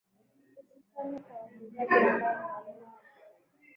Husani kwa wachezaji ambao ni walemavu